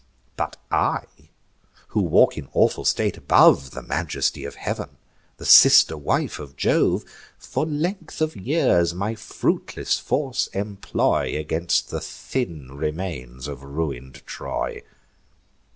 But I, who walk in awful state above, The majesty of heav'n, the sister wife of Jove, For length of years my fruitless force employ Against the thin remains of ruin'd Troy!